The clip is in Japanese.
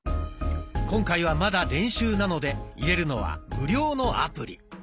今回はまだ練習なので入れるのは無料のアプリ。